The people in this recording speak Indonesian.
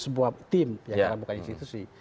sebuah tim ya karena bukan institusi